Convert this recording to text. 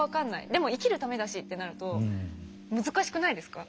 でも生きるためだしってなると難しくないですか？